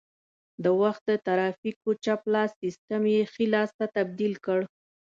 د وخت د ترافیکو چپ لاس سیسټم یې ښي لاس ته تبدیل کړ